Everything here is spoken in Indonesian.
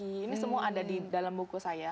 ini semua ada di dalam buku saya